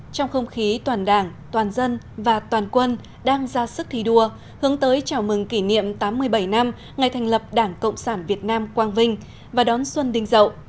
trong không khí toàn đảng toàn dân và toàn quân đang ra sức thi đua hướng tới chào mừng kỷ niệm tám mươi bảy năm ngày thành lập đảng cộng sản việt nam quang vinh và đón xuân đình dậu